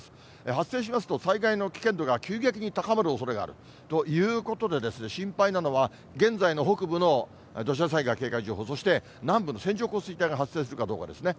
発生しますと、災害の危険度が急激に高まるおそれがあるということで、心配なのは、現在の北部の土砂災害警戒情報、そして、南部の線状降水帯が発生するかどうかですね。